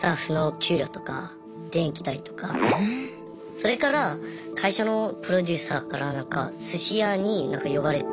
それから会社のプロデューサーからなんかすし屋に呼ばれて。